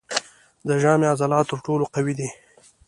د ژامې عضلات تر ټولو قوي دي.